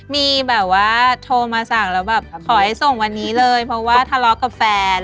มีแบบว่าโทรมาสั่งแล้วแบบขอให้ส่งวันนี้เลยเพราะว่าทะเลาะกับแฟน